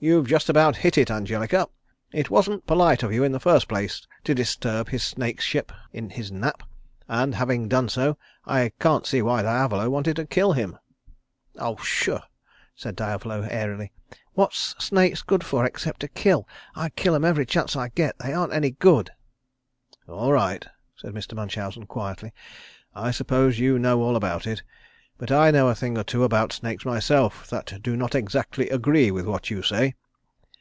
"You've just about hit it, Angelica. It wasn't polite of you in the first place, to disturb his snakeship in his nap, and having done so, I can't see why Diavolo wanted to kill him." "Oh, pshaw!" said Diavolo, airily. "What's snakes good for except to kill? I'll kill 'em every chance I get. They aren't any good." "All right," said Mr. Munchausen, quietly. "I suppose you know all about it; but I know a thing or two about snakes myself that do not exactly agree with what you say.